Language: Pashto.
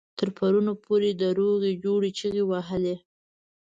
تر پرونه پورې د روغې جوړې چيغې وهلې.